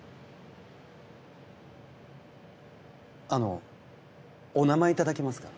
あのお名前頂けますか。